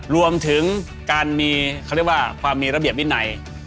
รวมถึงการมีความมีระเบียบวินัย